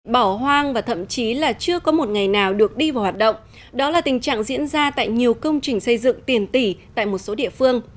bỏ hoang và thậm chí là chưa có một ngày nào được đi vào hoạt động đó là tình trạng diễn ra tại nhiều công trình xây dựng tiền tỷ tại một số địa phương